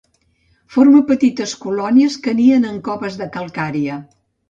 Forma petites colònies que nien en coves de calcària.